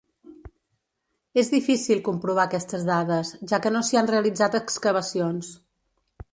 És difícil comprovar aquestes dades, ja que no s'hi han realitzat excavacions.